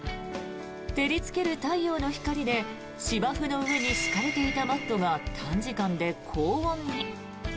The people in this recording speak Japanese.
照りつける太陽の光で芝生の上に敷かれていたマットが短時間で高温に。